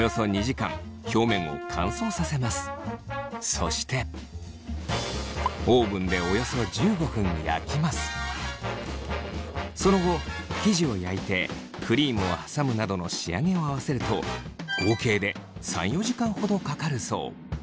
そしてその後生地を焼いてクリームを挟むなどの仕上げを合わせると合計で３４時間ほどかかるそう。